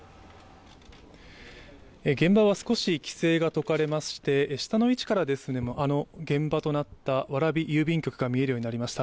現場は少し規制が解かれまして、下の位置から現場となった蕨郵便局が見えるようになりました。